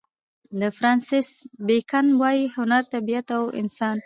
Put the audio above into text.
د فرانسیس بېکن وايي: هنر طبیعت او انسان.